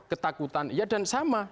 ketakutan ya dan sama